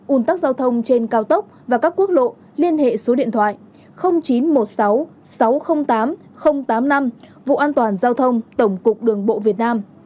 un tắc giao thông trên cao tốc và các quốc lộ liên hệ số điện thoại chín trăm một mươi sáu sáu trăm linh tám tám mươi năm vụ an toàn giao thông tổng cục đường bộ việt nam